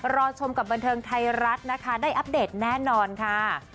รอชมกับบันเทิงไทยรัฐนะคะได้อัปเดตแน่นอนค่ะ